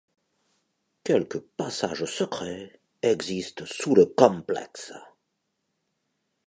Quelques passages secrets existent sous le complexe.